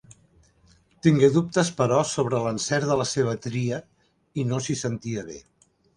Tingué dubtes, però, sobre l'encert de la seva tria i no s'hi sentia bé.